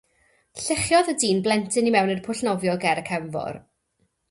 Lluchiodd y dyn blentyn i mewn i'r pwll nofio ger y cefnfor